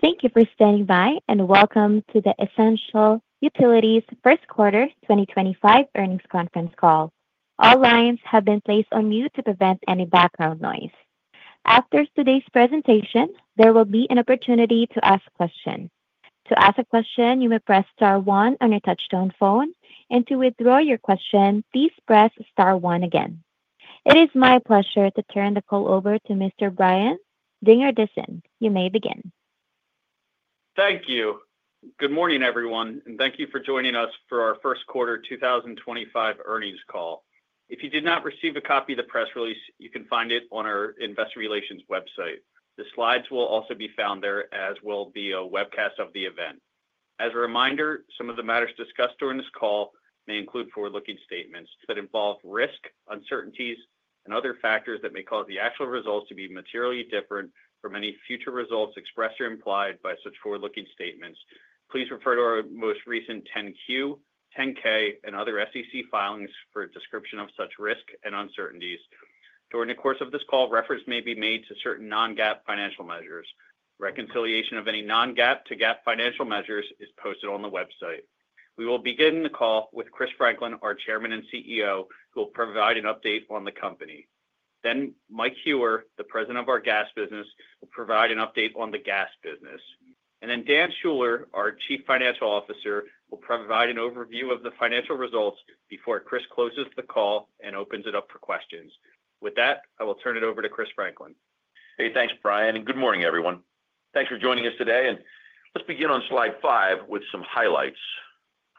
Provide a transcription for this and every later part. Thank you for standing by and welcome to the Essential Utilities First Quarter 2025 Earnings Conference Call. All lines have been placed on mute to prevent any background noise. After today's presentation, there will be an opportunity to ask a question. To ask a question, you may press Star 1 on your touchstone phone, and to withdraw your question, please press Star 1 again. It is my pleasure to turn the call over to Mr. Brian Dingerdissen. You may begin. Thank you. Good morning, everyone, and thank you for joining us for our First Quarter 2025 Earnings Call. If you did not receive a copy of the press release, you can find it on our investor relations website. The slides will also be found there, as will be a webcast of the event. As a reminder, some of the matters discussed during this call may include forward-looking statements that involve risk, uncertainties, and other factors that may cause the actual results to be materially different from any future results expressed or implied by such forward-looking statements. Please refer to our most recent 10Q, 10K, and other SEC filings for a description of such risk and uncertainties. During the course of this call, reference may be made to certain non-GAAP financial measures. Reconciliation of any non-GAAP to GAAP financial measures is posted on the website. We will begin the call with Chris Franklin, our Chairman and CEO, who will provide an update on the company. Mike Huwar, the President of our gas business, will provide an update on the gas business. Dan Schuller, our Chief Financial Officer, will provide an overview of the financial results before Chris closes the call and opens it up for questions. With that, I will turn it over to Chris Franklin. Hey, thanks, Brian, and good morning, everyone. Thanks for joining us today, and let's begin on slide five with some highlights.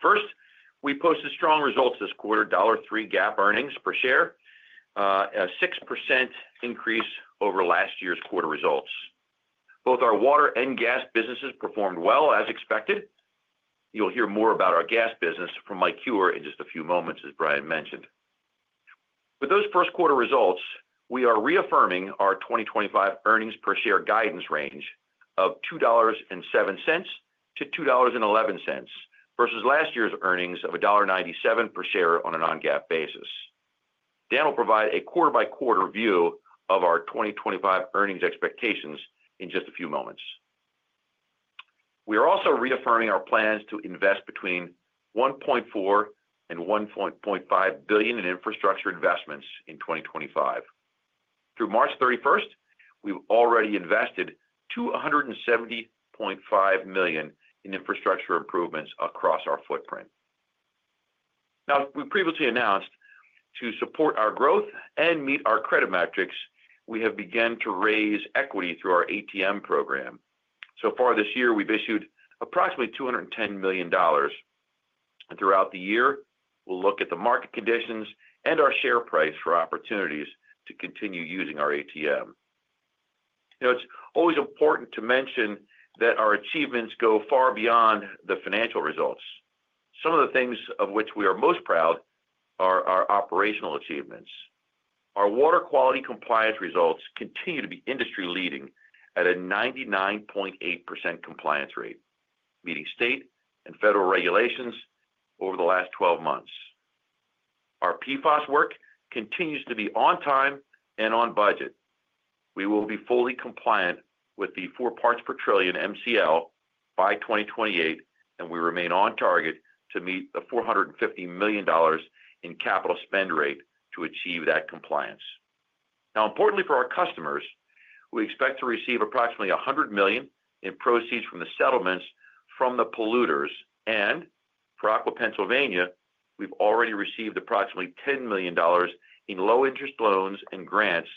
First, we posted strong results this quarter: $1.03 GAAP earnings per share, a 6% increase over last year's quarter results. Both our water and gas businesses performed well as expected. You'll hear more about our gas business from Mike Huwar in just a few moments, as Brian mentioned. With those first quarter results, we are reaffirming our 2025 earnings per share guidance range of $2.07-$2.11 versus last year's earnings of $1.97 per share on a non-GAAP basis. Dan will provide a quarter-by-quarter view of our 2025 earnings expectations in just a few moments. We are also reaffirming our plans to invest between $1.4 billion and $1.5 billion in infrastructure investments in 2025. Through March 31, we've already invested $270.5 million in infrastructure improvements across our footprint. Now, we previously announced that to support our growth and meet our credit metrics, we have begun to raise equity through our ATM program. So far this year, we've issued approximately $210 million. Throughout the year, we'll look at the market conditions and our share price for opportunities to continue using our ATM. You know, it's always important to mention that our achievements go far beyond the financial results. Some of the things of which we are most proud are our operational achievements. Our water quality compliance results continue to be industry-leading at a 99.8% compliance rate, meeting state and federal regulations over the last 12 months. Our PFAS work continues to be on time and on budget. We will be fully compliant with the four parts per trillion MCL by 2028, and we remain on target to meet the $450 million in capital spend rate to achieve that compliance. Now, importantly for our customers, we expect to receive approximately $100 million in proceeds from the settlements from the polluters. For Aqua Pennsylvania, we've already received approximately $10 million in low-interest loans and grants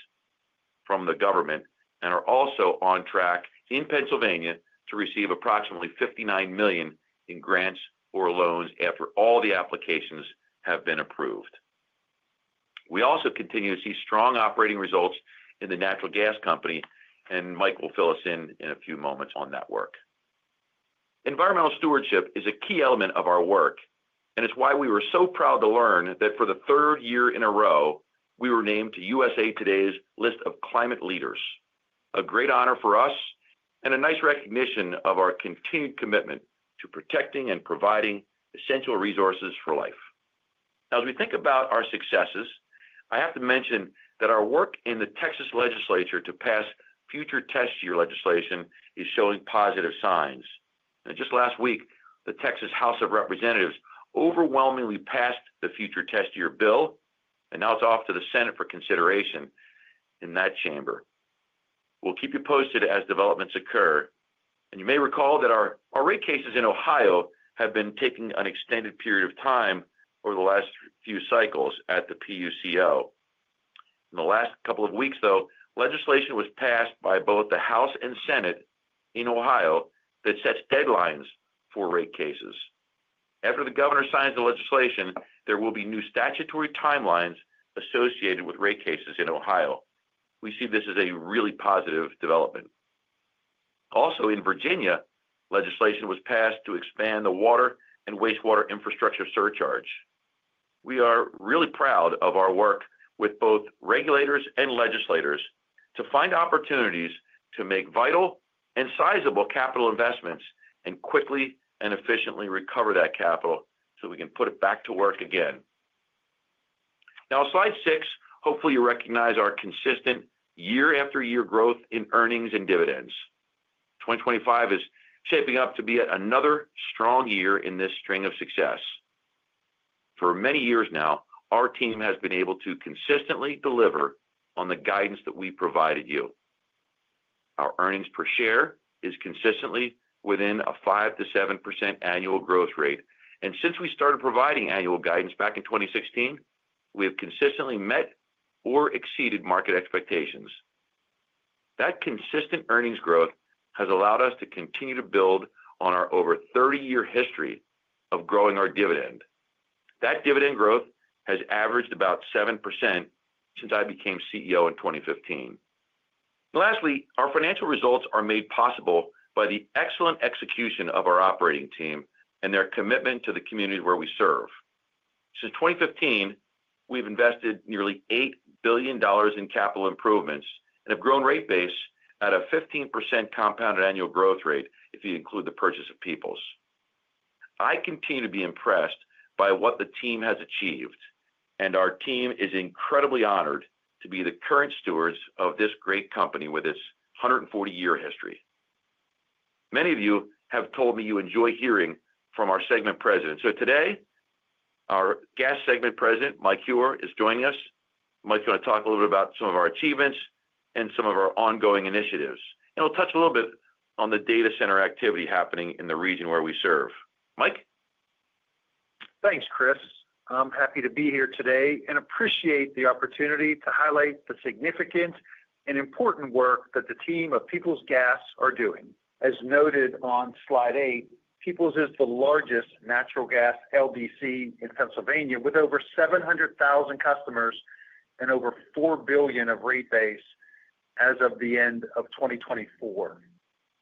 from the government and are also on track in Pennsylvania to receive approximately $59 million in grants or loans after all the applications have been approved. We also continue to see strong operating results in the natural gas company, and Mike will fill us in in a few moments on that work. Environmental stewardship is a key element of our work, and it's why we were so proud to learn that for the third year in a row, we were named to USA TODAY's list of climate leaders. A great honor for us and a nice recognition of our continued commitment to protecting and providing essential resources for life. Now, as we think about our successes, I have to mention that our work in the Texas legislature to pass future test year legislation is showing positive signs. Just last week, the Texas House of Representatives overwhelmingly passed the future test year bill, and now it's off to the Senate for consideration in that chamber. We'll keep you posted as developments occur. You may recall that our rate cases in Ohio have been taking an extended period of time over the last few cycles at the PUCO. In the last couple of weeks, though, legislation was passed by both the House and Senate in Ohio that sets deadlines for rate cases. After the governor signs the legislation, there will be new statutory timelines associated with rate cases in Ohio. We see this as a really positive development. Also, in Virginia, legislation was passed to expand the water and wastewater infrastructure surcharge. We are really proud of our work with both regulators and legislators to find opportunities to make vital and sizable capital investments and quickly and efficiently recover that capital so we can put it back to work again. Now, slide six, hopefully you recognize our consistent year-after-year growth in earnings and dividends. 2025 is shaping up to be another strong year in this string of success. For many years now, our team has been able to consistently deliver on the guidance that we provided you. Our earnings per share is consistently within a 5%-7% annual growth rate. And since we started providing annual guidance back in 2016, we have consistently met or exceeded market expectations. That consistent earnings growth has allowed us to continue to build on our over 30-year history of growing our dividend. That dividend growth has averaged about 7% since I became CEO in 2015. Lastly, our financial results are made possible by the excellent execution of our operating team and their commitment to the community where we serve. Since 2015, we've invested nearly $8 billion in capital improvements and have grown rate base at a 15% compounded annual growth rate if you include the purchase of Peoples. I continue to be impressed by what the team has achieved, and our team is incredibly honored to be the current stewards of this great company with its 140-year history. Many of you have told me you enjoy hearing from our segment president. Today, our gas segment president, Mike Huwar, is joining us. Mike's going to talk a little bit about some of our achievements and some of our ongoing initiatives. We'll touch a little bit on the data center activity happening in the region where we serve. Mike? Thanks, Chris. I'm happy to be here today and appreciate the opportunity to highlight the significant and important work that the team of Peoples Gas are doing. As noted on slide eight, Peoples is the largest natural gas LDC in Pennsylvania with over 700,000 customers and over $4 billion of rate base as of the end of 2024.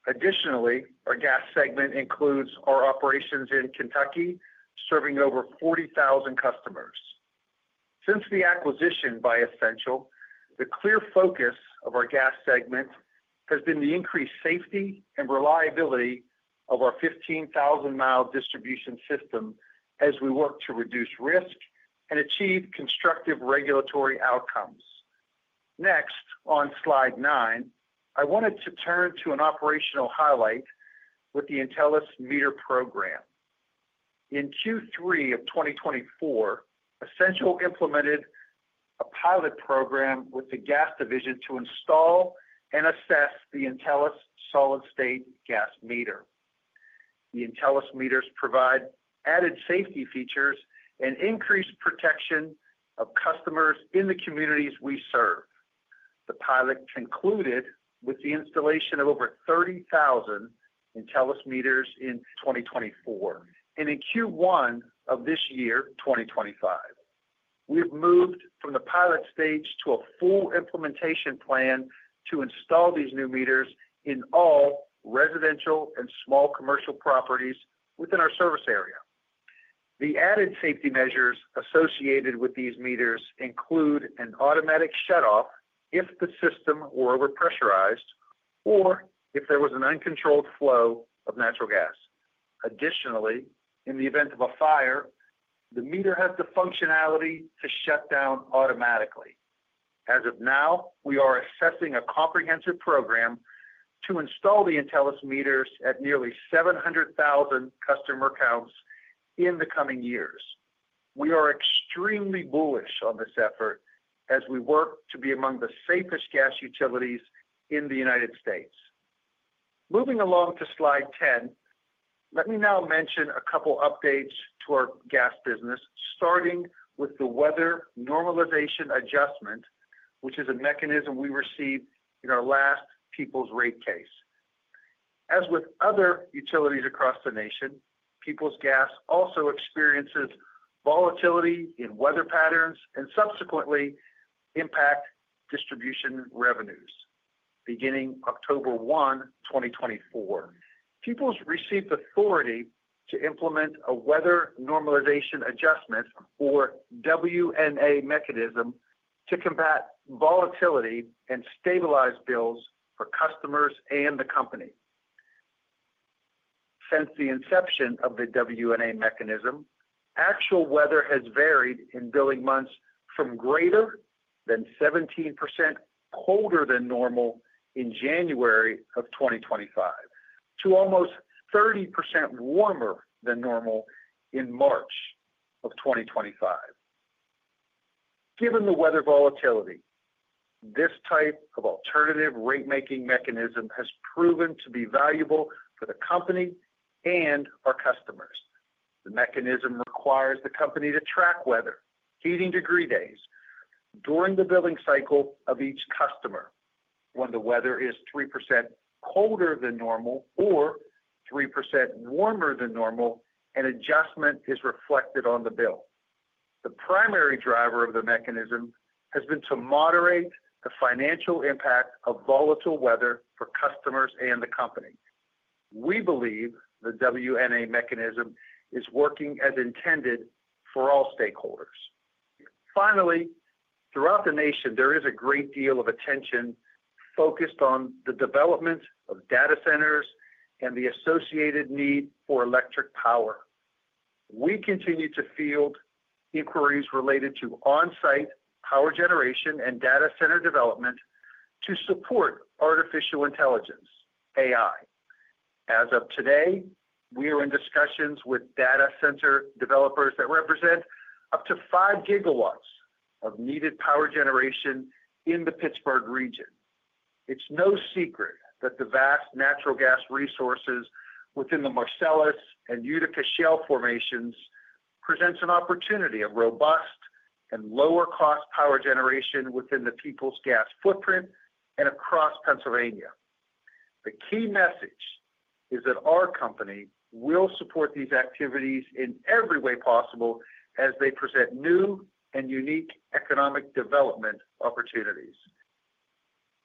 Additionally, our gas segment includes our operations in Kentucky, serving over 40,000 customers. Since the acquisition by Essential, the clear focus of our gas segment has been the increased safety and reliability of our 15,000-mi distribution system as we work to reduce risk and achieve constructive regulatory outcomes. Next, on slide nine, I wanted to turn to an operational highlight with the Intelis meter program. In Q3 of 2024, Essential implemented a pilot program with the gas division to install and assess the Intelis solid-state gas meter. The Intelis meters provide added safety features and increased protection of customers in the communities we serve. The pilot concluded with the installation of over 30,000 Intelis meters in 2024, and in Q1 of this year, 2025. We have moved from the pilot stage to a full implementation plan to install these new meters in all residential and small commercial properties within our service area. The added safety measures associated with these meters include an automatic shutoff if the system were over-pressurized or if there was an uncontrolled flow of natural gas. Additionally, in the event of a fire, the meter has the functionality to shut down automatically. As of now, we are assessing a comprehensive program to install the Intelis meters at nearly 700,000 customer counts in the coming years. We are extremely bullish on this effort as we work to be among the safest gas utilities in the United States. Moving along to slide 10, let me now mention a couple of updates to our gas business, starting with the weather normalization adjustment, which is a mechanism we received in our last Peoples rate case. As with other utilities across the nation, Peoples Gas also experiences volatility in weather patterns and subsequently impact distribution revenues. Beginning October 1, 2024, Peoples received authority to implement a weather normalization adjustment, or WNA mechanism, to combat volatility and stabilize bills for customers and the company. Since the inception of the WNA mechanism, actual weather has varied in billing months from greater than 17% colder than normal in January of 2025, to almost 30% warmer than normal in March of 2025. Given the weather volatility, this type of alternative rate-making mechanism has proven to be valuable for the company and our customers. The mechanism requires the company to track weather, heating degree days during the billing cycle of each customer. When the weather is 3% colder than normal or 3% warmer than normal, an adjustment is reflected on the bill. The primary driver of the mechanism has been to moderate the financial impact of volatile weather for customers and the company. We believe the WNA mechanism is working as intended for all stakeholders. Finally, throughout the nation, there is a great deal of attention focused on the development of data centers and the associated need for electric power. We continue to field inquiries related to on-site power generation and data center development to support artificial intelligence, AI. As of today, we are in discussions with data center developers that represent up to 5 GW of needed power generation in the Pittsburgh region. It's no secret that the vast natural gas resources within the Marcellus and Utica Shale Formations present an opportunity of robust and lower-cost power generation within the Peoples Gas footprint and across Pennsylvania. The key message is that our company will support these activities in every way possible as they present new and unique economic development opportunities.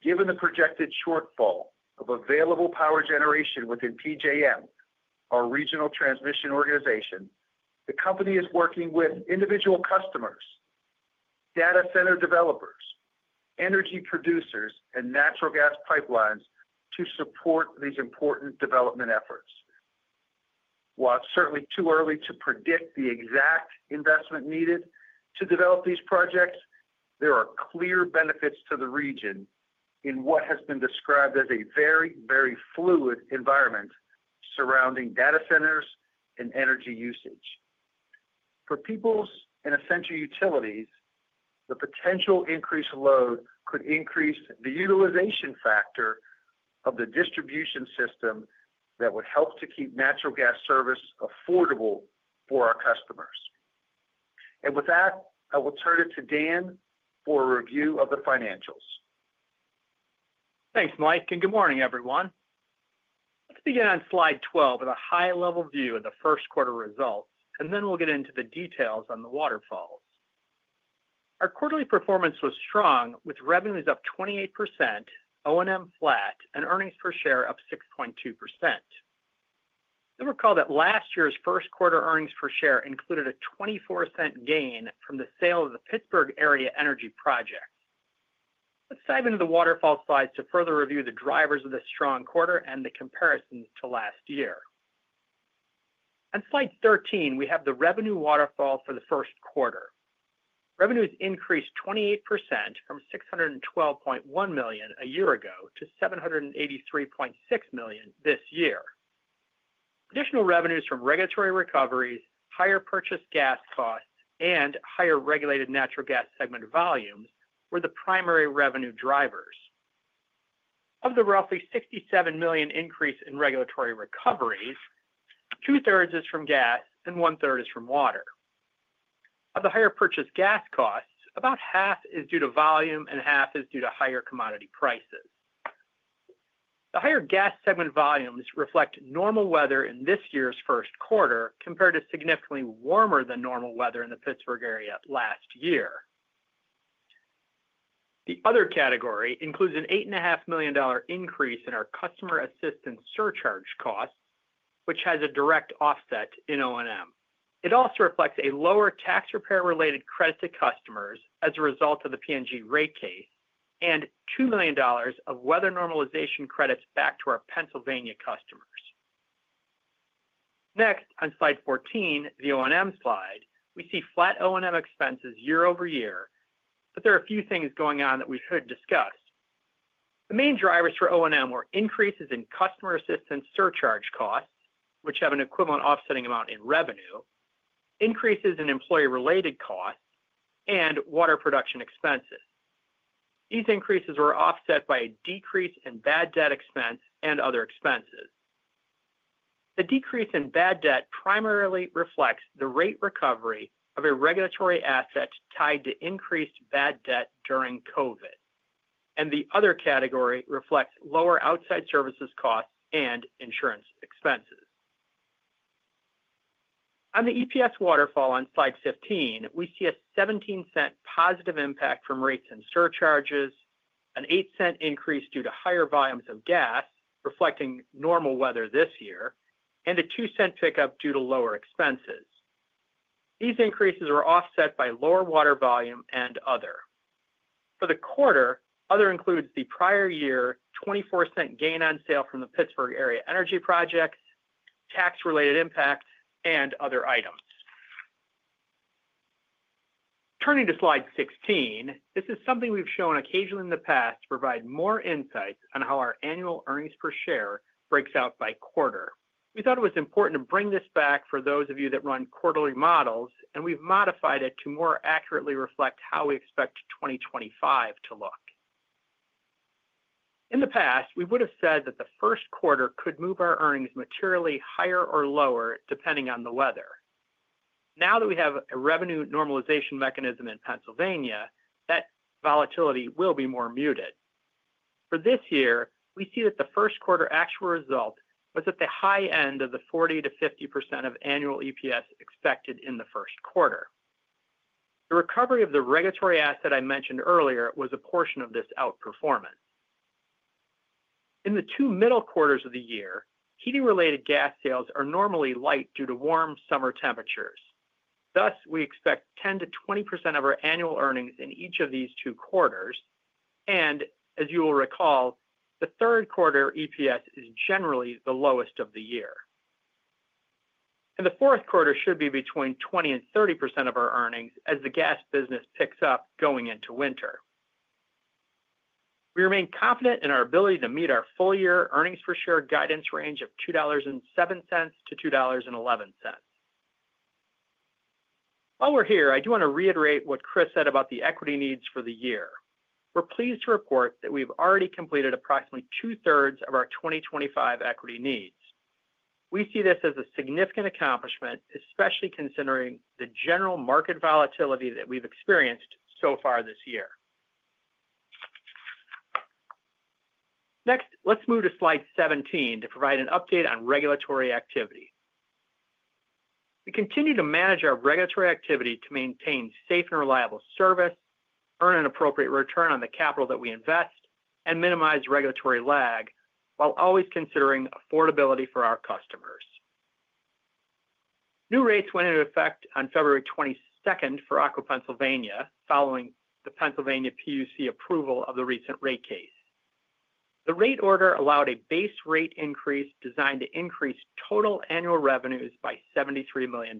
Given the projected shortfall of available power generation within PJM, our regional transmission organization, the company is working with individual customers, data center developers, energy producers, and natural gas pipelines to support these important development efforts. While it's certainly too early to predict the exact investment needed to develop these projects, there are clear benefits to the region in what has been described as a very, very fluid environment surrounding data centers and energy usage. For Peoples and Essential Utilities, the potential increased load could increase the utilization factor of the distribution system that would help to keep natural gas service affordable for our customers. With that, I will turn it to Dan for a review of the financials. Thanks, Mike, and good morning, everyone. Let's begin on slide 12 with a high-level view of the first quarter results, and then we'll get into the details on the waterfalls. Our quarterly performance was strong, with revenues up 28%, O&M flat, and earnings per share up 6.2%. Recall that last year's first quarter earnings per share included a 24% gain from the sale of the Pittsburgh area energy project. Let's dive into the waterfall slides to further review the drivers of this strong quarter and the comparisons to last year. On slide 13, we have the revenue waterfall for the first quarter. Revenues increased 28% from $612.1 million a year ago to $783.6 million this year. Additional revenues from regulatory recoveries, higher purchase gas costs, and higher regulated natural gas segment volumes were the primary revenue drivers. Of the roughly $67 million increase in regulatory recoveries, 2/3 is from gas and 1/3 is from water. Of the higher purchase gas costs, about half is due to volume and half is due to higher commodity prices. The higher gas segment volumes reflect normal weather in this year's first quarter compared to significantly warmer than normal weather in the Pittsburgh area last year. The other category includes an $8.5 million increase in our customer assistance surcharge costs, which has a direct offset in O&M. It also reflects a lower tax repair-related credit to customers as a result of the PNG rate case and $2 million of weather normalization credits back to our Pennsylvania customers. Next, on slide 14, the O&M slide, we see flat O&M expenses year-over-year, but there are a few things going on that we should discuss. The main drivers for O&M were increases in customer assistance surcharge costs, which have an equivalent offsetting amount in revenue, increases in employee-related costs, and water production expenses. These increases were offset by a decrease in bad debt expense and other expenses. The decrease in bad debt primarily reflects the rate recovery of a regulatory asset tied to increased bad debt during COVID. The other category reflects lower outside services costs and insurance expenses. On the EPS waterfall on slide 15, we see a 17% positive impact from rates and surcharges, an 8% increase due to higher volumes of gas reflecting normal weather this year, and a 2% pickup due to lower expenses. These increases were offset by lower water volume and other. For the quarter, other includes the prior year 24% gain on sale from the Pittsburgh area energy projects, tax-related impact, and other items. Turning to slide 16, this is something we've shown occasionally in the past to provide more insights on how our annual earnings per share breaks out by quarter. We thought it was important to bring this back for those of you that run quarterly models, and we've modified it to more accurately reflect how we expect 2025 to look. In the past, we would have said that the first quarter could move our earnings materially higher or lower depending on the weather. Now that we have a revenue normalization mechanism in Pennsylvania, that volatility will be more muted. For this year, we see that the first quarter actual result was at the high end of the 40%-50% of annual EPS expected in the first quarter. The recovery of the regulatory asset I mentioned earlier was a portion of this outperformance. In the two middle quarters of the year, heating-related gas sales are normally light due to warm summer temperatures. Thus, we expect 10%-20% of our annual earnings in each of these two quarters. As you will recall, the third quarter EPS is generally the lowest of the year. The fourth quarter should be between 20%-30% of our earnings as the gas business picks up going into winter. We remain confident in our ability to meet our full-year earnings per share guidance range of $2.07-$2.11. While we're here, I do want to reiterate what Chris said about the equity needs for the year. We're pleased to report that we've already completed approximately 2/3 of our 2025 equity needs. We see this as a significant accomplishment, especially considering the general market volatility that we've experienced so far this year. Next, let's move to slide 17 to provide an update on regulatory activity. We continue to manage our regulatory activity to maintain safe and reliable service, earn an appropriate return on the capital that we invest, and minimize regulatory lag while always considering affordability for our customers. New rates went into effect on February 22nd for Aqua Pennsylvania following the Pennsylvania PUC approval of the recent rate case. The rate order allowed a base rate increase designed to increase total annual revenues by $73 million.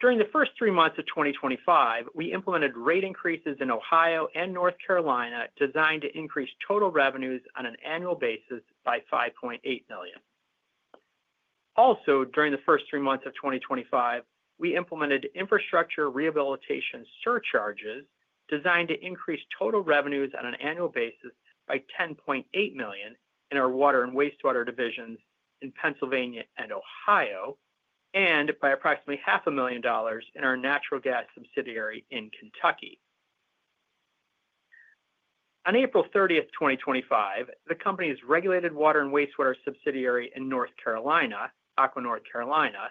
During the first three months of 2025, we implemented rate increases in Ohio and North Carolina designed to increase total revenues on an annual basis by $5.8 million. Also, during the first three months of 2025, we implemented infrastructure rehabilitation surcharges designed to increase total revenues on an annual basis by $10.8 million in our water and wastewater divisions in Pennsylvania and Ohio, and by approximately $500,000 in our natural gas subsidiary in Kentucky. On April 30, 2025, the company's regulated water and wastewater subsidiary in North Carolina, Aqua North Carolina,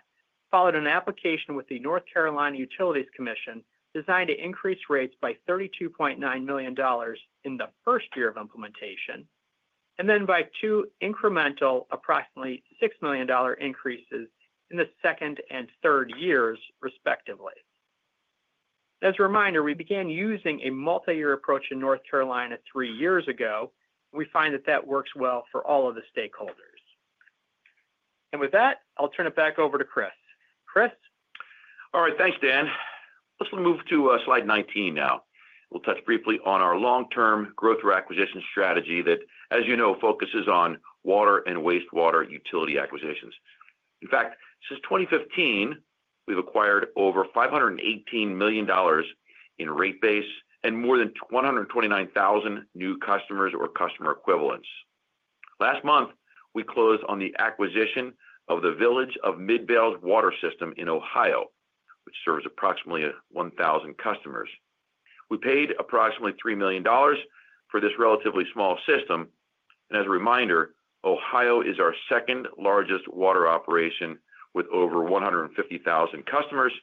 filed an application with the North Carolina Utilities Commission designed to increase rates by $32.9 million in the first year of implementation, and then by two incremental, approximately $6 million increases in the second and third years, respectively. As a reminder, we began using a multi-year approach in North Carolina three years ago, and we find that that works well for all of the stakeholders. With that, I'll turn it back over to Chris. Chris. All right, thanks, Dan. Let's move to slide 19 now. We'll touch briefly on our long-term growth requisition strategy that, as you know, focuses on water and wastewater utility acquisitions. In fact, since 2015, we've acquired over $518 million in rate base and more than 129,000 new customers or customer equivalents. Last month, we closed on the acquisition of the Village of Midvale's water system in Ohio, which serves approximately 1,000 customers. We paid approximately $3 million for this relatively small system. As a reminder, Ohio is our second largest water operation with over 150,000 customers,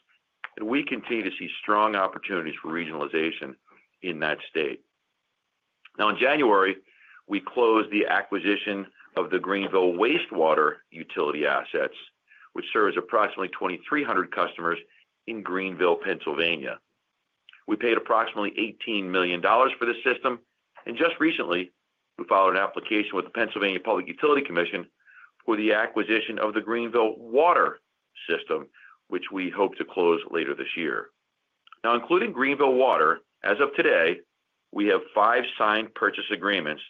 and we continue to see strong opportunities for regionalization in that state. In January, we closed the acquisition of the Greenville wastewater utility assets, which serves approximately 2,300 customers in Greenville, Pennsylvania. We paid approximately $18 million for the system, and just recently, we filed an application with the Pennsylvania Public Utility Commission for the acquisition of the Greenville water system, which we hope to close later this year. Now, including Greenville water, as of today, we have five signed purchase agreements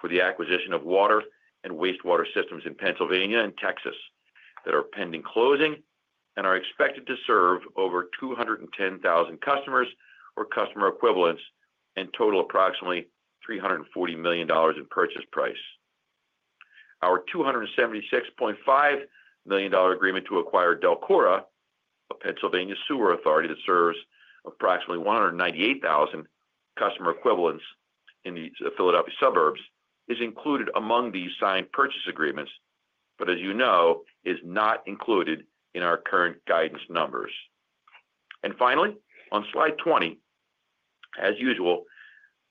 for the acquisition of water and wastewater systems in Pennsylvania and Texas that are pending closing and are expected to serve over 210,000 customers or customer equivalents and total approximately $340 million in purchase price. Our $276.5 million agreement to acquire Delcora, a Pennsylvania sewer authority that serves approximately 198,000 customer equivalents in the Philadelphia suburbs, is included among these signed purchase agreements, but as you know, is not included in our current guidance numbers. Finally, on slide 20, as usual,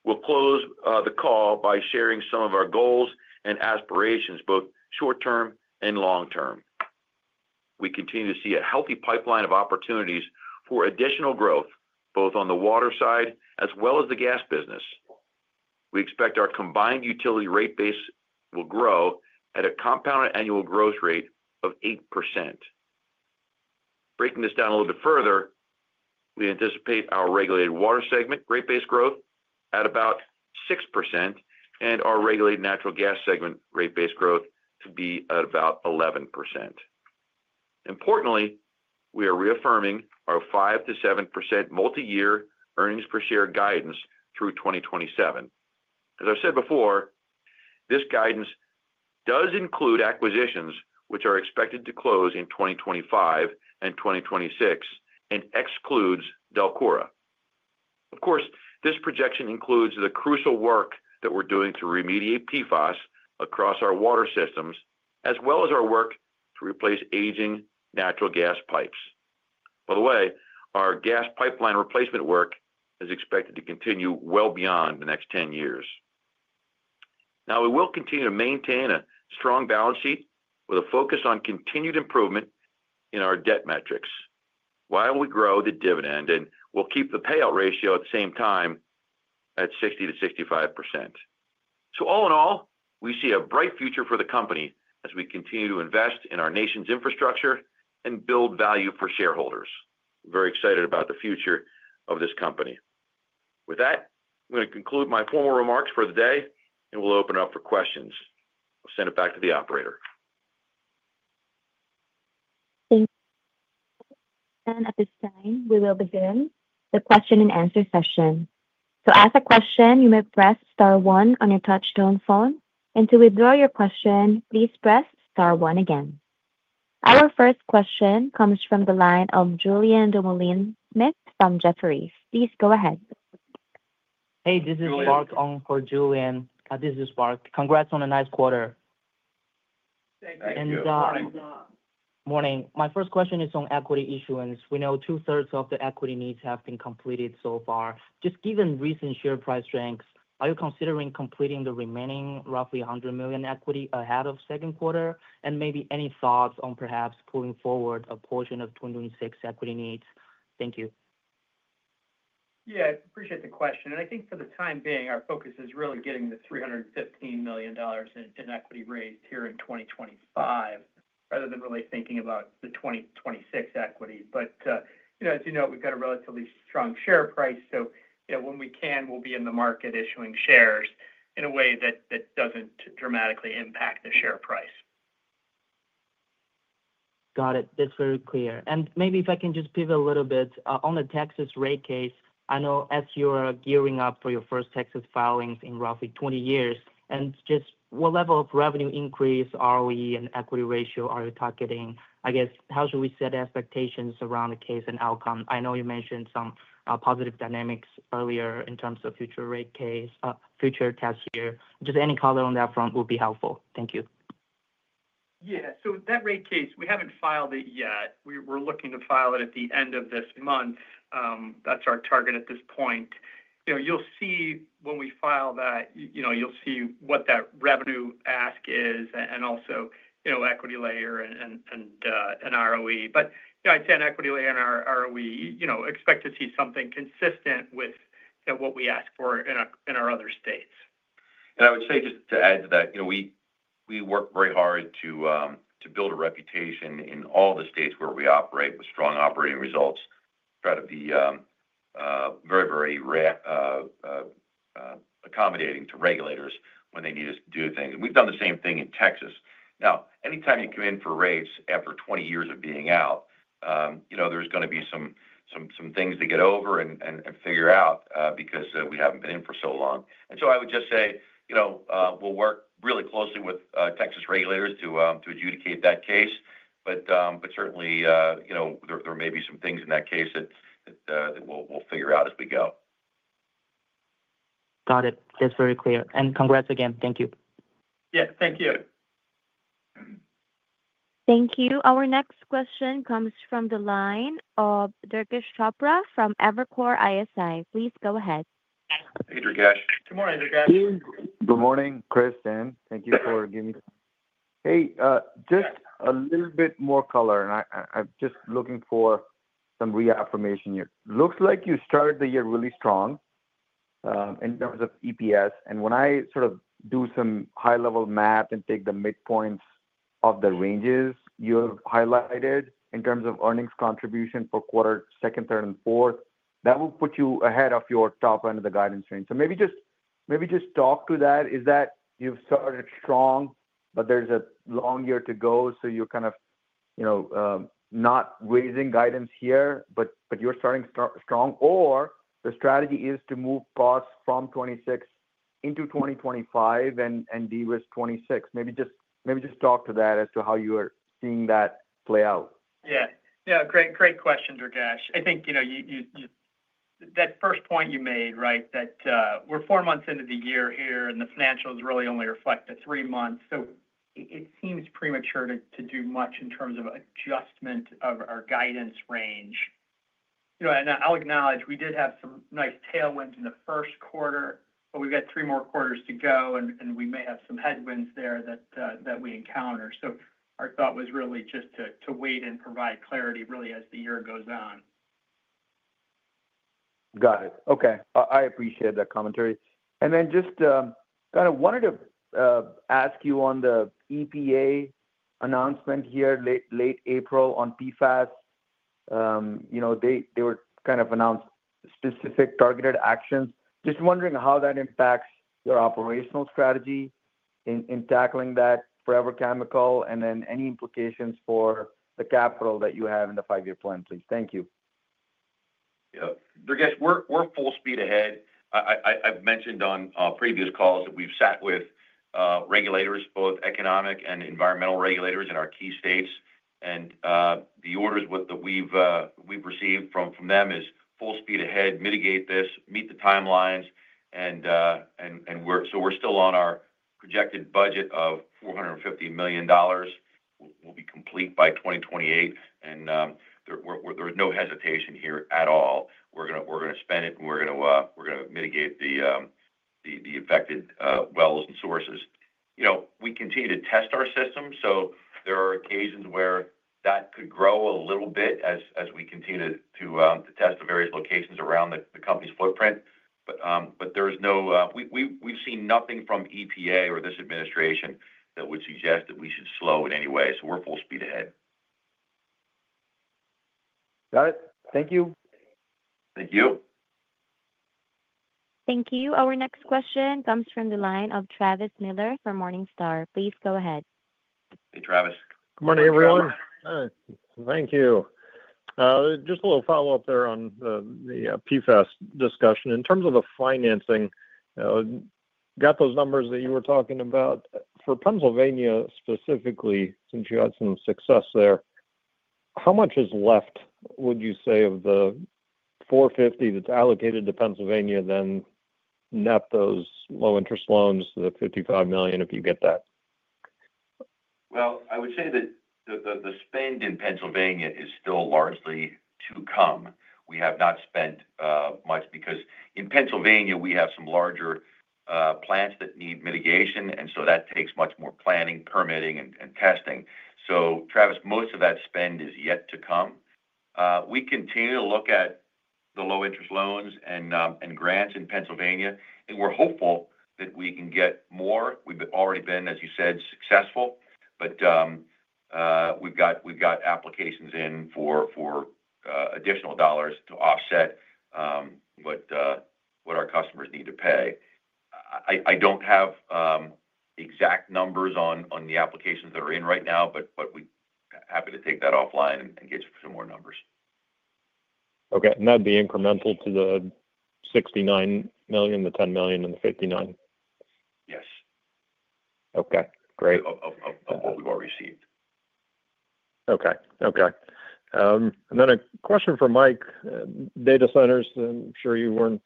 we'll close the call by sharing some of our goals and aspirations, both short-term and long-term. We continue to see a healthy pipeline of opportunities for additional growth, both on the water side as well as the gas business. We expect our combined utility rate base will grow at a compounded annual growth rate of 8%. Breaking this down a little bit further, we anticipate our regulated water segment rate base growth at about 6% and our regulated natural gas segment rate base growth to be at about 11%. Importantly, we are reaffirming our 5%-7% multi-year earnings per share guidance through 2027. As I've said before, this guidance does include acquisitions which are expected to close in 2025 and 2026 and excludes Delcora. Of course, this projection includes the crucial work that we're doing to remediate PFAS across our water systems, as well as our work to replace aging natural gas pipes. By the way, our gas pipeline replacement work is expected to continue well beyond the next 10 years. Now, we will continue to maintain a strong balance sheet with a focus on continued improvement in our debt metrics while we grow the dividend, and we'll keep the payout ratio at the same time at 60%-65%. All in all, we see a bright future for the company as we continue to invest in our nation's infrastructure and build value for shareholders. I'm very excited about the future of this company. With that, I'm going to conclude my formal remarks for the day, and we'll open up for questions. I'll send it back to the operator. Thank you. At this time, we will begin the question and answer session. To ask a question, you may press star one on your touch-tone phone. To withdraw your question, please press star one again. Our first question comes from the line of Julien Dumoulin-Smith from Jefferies. Please go ahead. Hey, this is Mark Ong for Julien. This is Mark. Congrats on a nice quarter. Thank you. Good morning. Morning. My first question is on equity issuance. We know two-thirds of the equity needs have been completed so far. Just given recent share price strengths, are you considering completing the remaining roughly $100 million equity ahead of second quarter? Maybe any thoughts on perhaps pulling forward a portion of 2026 equity needs? Thank you. Yeah, I appreciate the question. I think for the time being, our focus is really getting the $315 million in equity raised here in 2025 rather than really thinking about the 2026 equity. As you know, we've got a relatively strong share price. When we can, we'll be in the market issuing shares in a way that does not dramatically impact the share price. Got it. That's very clear. Maybe if I can just pivot a little bit on the Texas rate case. I know as you are gearing up for your first Texas filings in roughly 20 years, just what level of revenue increase, ROE, and equity ratio are you targeting? I guess how should we set expectations around the case and outcome? I know you mentioned some positive dynamics earlier in terms of future rate case, future test year. Just any color on that front would be helpful. Thank you. Yeah. So that rate case, we have not filed it yet. We are looking to file it at the end of this month. That is our target at this point. You will see when we file that, you will see what that revenue ask is and also equity layer and ROE. I would say an equity layer and ROE, expect to see something consistent with what we ask for in our other states. I would say just to add to that, we work very hard to build a reputation in all the states where we operate with strong operating results. We try to be very, very accommodating to regulators when they need us to do things. We have done the same thing in Texas. Anytime you come in for rates after 20 years of being out, there is going to be some things to get over and figure out because we have not been in for so long. I would just say we will work really closely with Texas regulators to adjudicate that case. Certainly, there may be some things in that case that we will figure out as we go. Got it. That is very clear. And congrats again. Thank you. Yeah, thank you. Thank you. Our next question comes from the line of Durgesh Chopra from Evercore ISI. Please go ahead. Hey, Durgesh. Good morning, Durgesh. Good morning, Chris, and thank you for giving me. Hey, just a little bit more color. I'm just looking for some reaffirmation here. Looks like you started the year really strong in terms of EPS. When I sort of do some high-level math and take the midpoints of the ranges you have highlighted in terms of earnings contribution for quarter second, third, and fourth, that will put you ahead of your top end of the guidance range. Maybe just talk to that. Is that you've started strong, but there's a long year to go, so you're kind of not raising guidance here, but you're starting strong? The strategy is to move costs from 2026 into 2025 and de-risk 2026? Maybe just talk to that as to how you are seeing that play out. Yeah. Yeah. Great question, Durgesh. I think that first point you made, right, that we're four months into the year here and the financials really only reflect the three months. It seems premature to do much in terms of adjustment of our guidance range. I'll acknowledge we did have some nice tailwinds in the first quarter, but we've got three more quarters to go, and we may have some headwinds there that we encounter. Our thought was really just to wait and provide clarity really as the year goes on. Got it. Okay. I appreciate that commentary. I just kind of wanted to ask you on the EPA announcement here late April on PFAS. They kind of announced specific targeted actions. Just wondering how that impacts your operational strategy in tackling that forever chemical and then any implications for the capital that you have in the five-year plan, please. Thank you. Yeah. Durgesh, we're full speed ahead. I've mentioned on previous calls that we've sat with regulators, both economic and environmental regulators in our key states. The orders that we've received from them is full speed ahead, mitigate this, meet the timelines. We're still on our projected budget of $450 million. We'll be complete by 2028. There is no hesitation here at all. We're going to spend it, and we're going to mitigate the affected wells and sources. We continue to test our system, so there are occasions where that could grow a little bit as we continue to test the various locations around the company's footprint. There is nothing we've seen from EPA or this administration that would suggest that we should slow in any way. We're full speed ahead. Got it. Thank you. Thank you. Thank you. Our next question comes from the line of Travis Miller from Morningstar. Please go ahead. Hey, Travis. Good morning, everyone. Thank you. Just a little follow-up there on the PFAS discussion. In terms of the financing, got those numbers that you were talking about. For Pennsylvania specifically, since you had some success there, how much is left, would you say, of the $450 million that's allocated to Pennsylvania then net those low-interest loans, the $55 million, if you get that? I would say that the spend in Pennsylvania is still largely to come. We have not spent much because in Pennsylvania, we have some larger plants that need mitigation, and that takes much more planning, permitting, and testing. Travis, most of that spend is yet to come. We continue to look at the low-interest loans and grants in Pennsylvania, and we're hopeful that we can get more. We've already been, as you said, successful, but we've got applications in for additional dollars to offset what our customers need to pay. I do not have exact numbers on the applications that are in right now, but we're happy to take that offline and get you some more numbers. Okay. And that'd be incremental to the $69 million, the $10 million, and the $59 million? Yes. Okay. Great. Of what we've already received. Okay. Okay. A question for Mike, data centers. I'm sure you weren't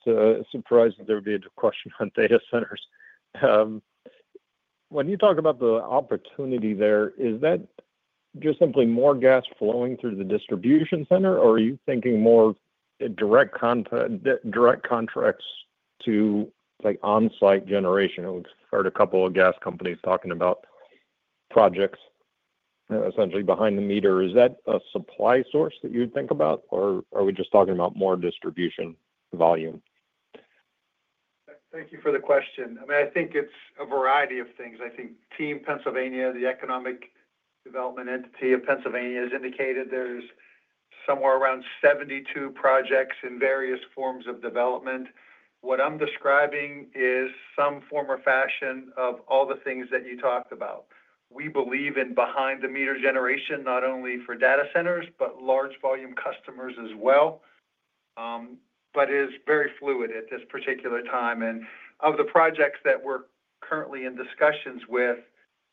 surprised that there would be a question on data centers. When you talk about the opportunity there, is that just simply more gas flowing through the distribution center, or are you thinking more direct contracts to on-site generation? We've heard a couple of gas companies talking about projects essentially behind the meter. Is that a supply source that you would think about, or are we just talking about more distribution volume? Thank you for the question. I mean, I think it's a variety of things. I think Team Pennsylvania, the economic development entity of Pennsylvania, has indicated there's somewhere around 72 projects in various forms of development. What I'm describing is some form or fashion of all the things that you talked about. We believe in behind-the-meter generation, not only for data centers, but large-volume customers as well, but it is very fluid at this particular time. Of the projects that we're currently in discussions with,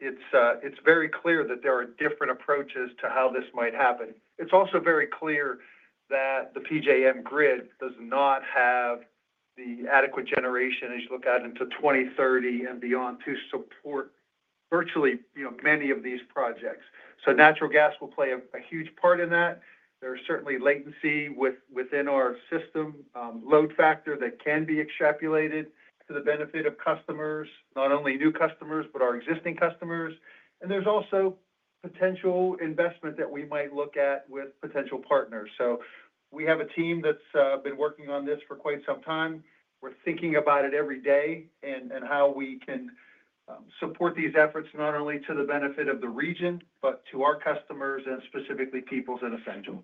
it's very clear that there are different approaches to how this might happen. It's also very clear that the PJM grid does not have the adequate generation as you look out into 2030 and beyond to support virtually many of these projects. Natural gas will play a huge part in that. is certainly latency within our system load factor that can be extrapolated to the benefit of customers, not only new customers, but our existing customers. There is also potential investment that we might look at with potential partners. We have a team that has been working on this for quite some time. We are thinking about it every day and how we can support these efforts not only to the benefit of the region, but to our customers and specifically Peoples and Essential.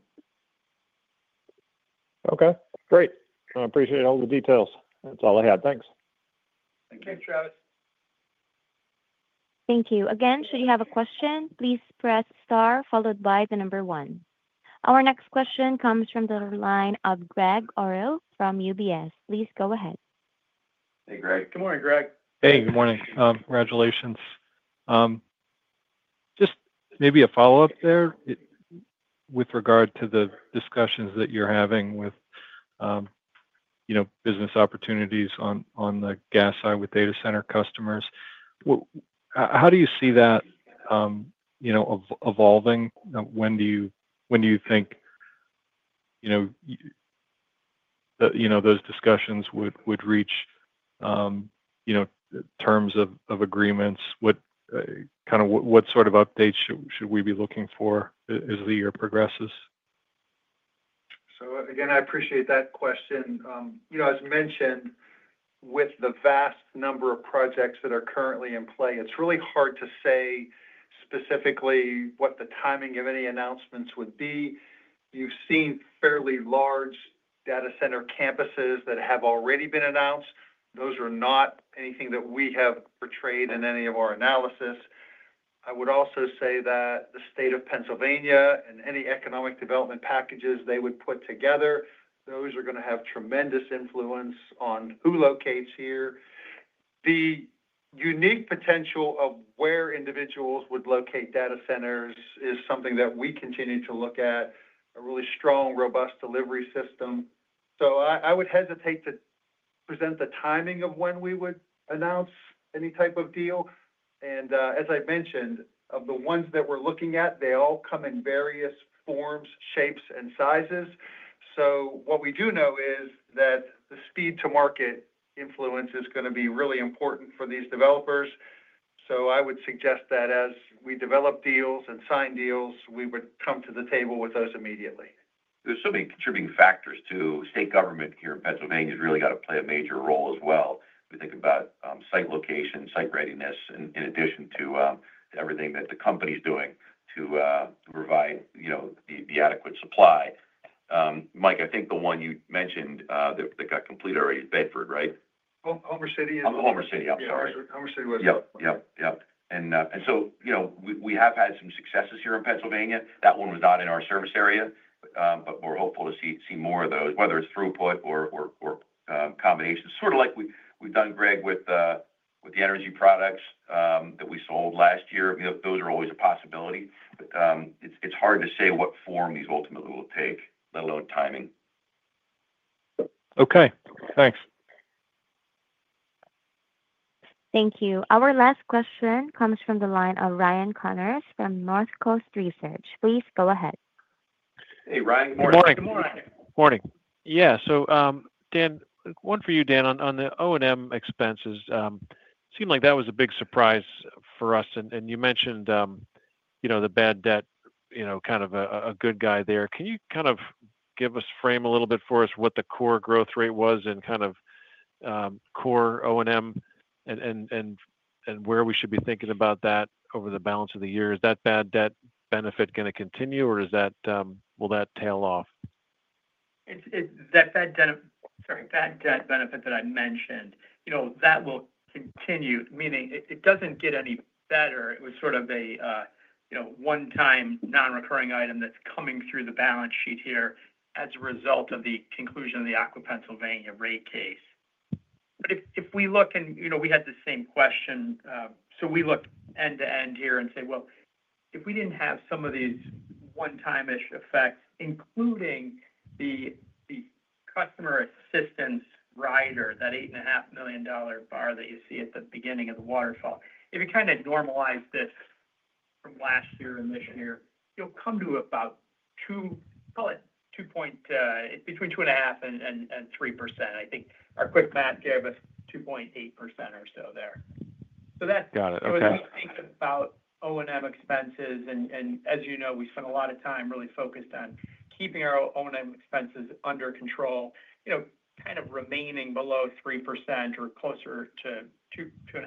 Okay. Great. I appreciate all the details. That's all I had. Thanks. Thank you, Travis. Thank you. Again, should you have a question, please press star followed by the number one. Our next question comes from the line of Gregg Orrill from UBS. Please go ahead. Hey, Gregg. Good morning, Gregg. Hey, good morning. Congratulations. Just maybe a follow-up there with regard to the discussions that you're having with business opportunities on the gas side with data center customers. How do you see that evolving? When do you think those discussions would reach terms of agreements? Kind of what sort of updates should we be looking for as the year progresses? I appreciate that question. As mentioned, with the vast number of projects that are currently in play, it's really hard to say specifically what the timing of any announcements would be. You've seen fairly large data center campuses that have already been announced. Those are not anything that we have portrayed in any of our analysis. I would also say that the state of Pennsylvania and any economic development packages they would put together, those are going to have tremendous influence on who locates here. The unique potential of where individuals would locate data centers is something that we continue to look at, a really strong, robust delivery system. I would hesitate to present the timing of when we would announce any type of deal. As I mentioned, of the ones that we're looking at, they all come in various forms, shapes, and sizes. What we do know is that the speed-to-market influence is going to be really important for these developers. I would suggest that as we develop deals and sign deals, we would come to the table with those immediately. There's so many contributing factors to state government here in Pennsylvania has really got to play a major role as well. We think about site location, site readiness, in addition to everything that the company's doing to provide the adequate supply. Mike, I think the one you mentioned that got completed already is Bedford, right? Homer City. Homer City, I'm sorry. Homer City was. Yep. Yep. Yep. We have had some successes here in Pennsylvania. That one was not in our service area, but we're hopeful to see more of those, whether it's throughput or combinations. Sort of like we've done, Gregg, with the energy products that we sold last year. Those are always a possibility. It is hard to say what form these ultimately will take, let alone timing. Okay. Thanks. Thank you. Our last question comes from the line of Ryan Connors from Northcoast Research. Please go ahead. Hey, Ryan. Good morning. Morning. Yeah. So Dan, one for you, Dan. On the O&M expenses, it seemed like that was a big surprise for us. You mentioned the bad debt, kind of a good guy there. Can you kind of frame a little bit for us what the core growth rate was and kind of core O&M and where we should be thinking about that over the balance of the year? Is that bad debt benefit going to continue, or will that tail off? That bad debt benefit that I mentioned, that will continue, meaning it does not get any better. It was sort of a one-time non-recurring item that is coming through the balance sheet here as a result of the conclusion of the Aqua Pennsylvania rate case. If we look and we had the same question, we looked end-to-end here and said, "If we did not have some of these one-time-ish effects, including the customer assistance rider, that $8.5 million bar that you see at the beginning of the waterfall, if you kind of normalize this from last year and this year, you will come to about, call it, between 2.5% and 3%." I think our quick math gave us 2.8% or so there. That is what we think about O&M expenses. As you know, we spent a lot of time really focused on keeping our O&M expenses under control, kind of remaining below 3% or closer to 2.5%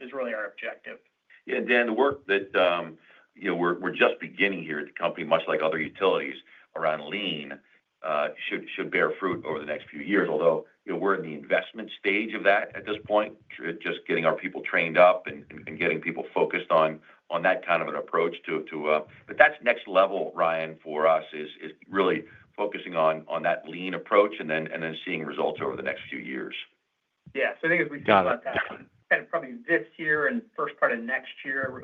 is really our objective. Yeah. Dan, the work that we're just beginning here at the company, much like other utilities around lean, should bear fruit over the next few years, although we're in the investment stage of that at this point, just getting our people trained up and getting people focused on that kind of an approach too. That's next level, Ryan, for us, is really focusing on that lean approach and then seeing results over the next few years. Yeah. So I think as we talk about that, kind of probably this year and first part of next year,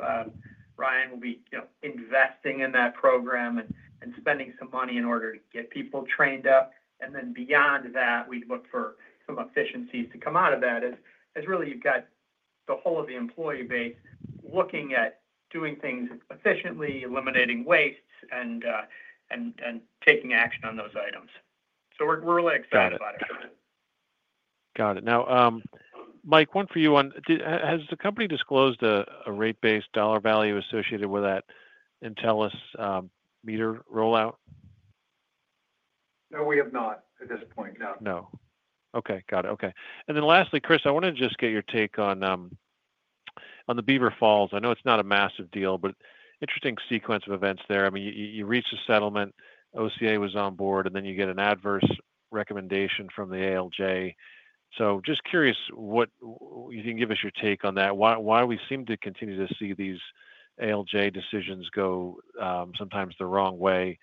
Ryan will be investing in that program and spending some money in order to get people trained up. Then beyond that, we'd look for some efficiencies to come out of that as really you've got the whole of the employee base looking at doing things efficiently, eliminating wastes, and taking action on those items. We're really excited about it. Got it. Got it. Now, Mike, one for you. Has the company disclosed a rate base dollar value associated with that Intelis meter rollout? No, we have not at this point. No. No. Okay. Got it. Okay. And then lastly, Chris, I wanted to just get your take on the Beaver Falls. I know it's not a massive deal, but interesting sequence of events there. I mean, you reached a settlement, OCA was on board, and then you get an adverse recommendation from the ALJ. Just curious what you can give us your take on that. Why we seem to continue to see these ALJ decisions go sometimes the wrong way.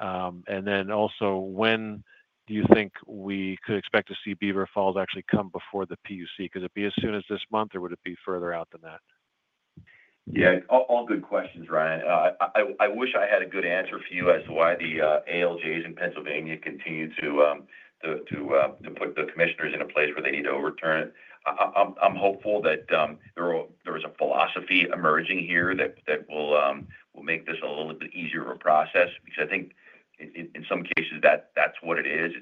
Also, when do you think we could expect to see Beaver Falls actually come before the PUC? Could it be as soon as this month, or would it be further out than that? Yeah. All good questions, Ryan. I wish I had a good answer for you as to why the ALJs in Pennsylvania continue to put the commissioners in a place where they need to overturn it. I'm hopeful that there is a philosophy emerging here that will make this a little bit easier of a process because I think in some cases, that's what it is.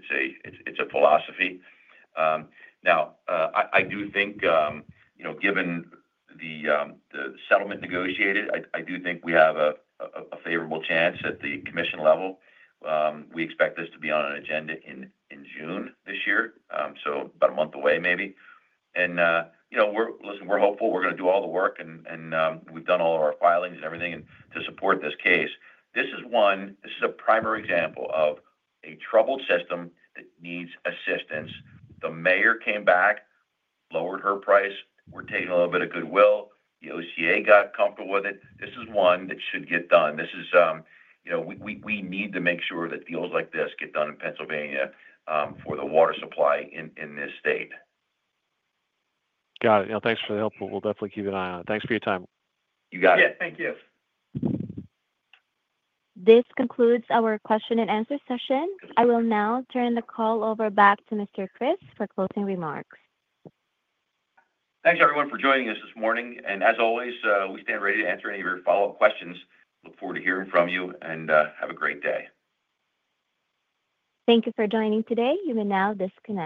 It's a philosophy. Now, I do think given the settlement negotiated, I do think we have a favorable chance at the commission level. We expect this to be on an agenda in June this year, so about a month away maybe. Listen, we're hopeful. We're going to do all the work, and we've done all of our filings and everything to support this case. This is a primary example of a troubled system that needs assistance. The mayor came back, lowered her price. We're taking a little bit of goodwill. The OCA got comfortable with it. This is one that should get done. We need to make sure that deals like this get done in Pennsylvania for the water supply in this state. Got it. Thanks for the help. We'll definitely keep an eye on it. Thanks for your time. You got it. Yeah. Thank you. This concludes our question and answer session. I will now turn the call over back to Mr. Chris for closing remarks. Thanks, everyone, for joining us this morning. As always, we stand ready to answer any of your follow-up questions. Look forward to hearing from you and have a great day. Thank you for joining today. You may now disconnect.